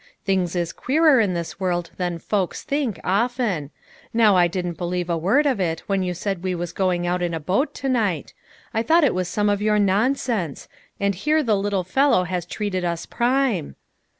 Things is queerer in this world than folks think, often ; now I didn't believe a word of it, when you said we was going out in a boat to night; I thought it was some of your nonsense ; and here the lit tle fellow has treated us prime."